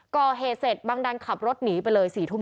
ก่อเหตุเสร็จบังดันขับรถหนีไปเลย๔ทุ่ม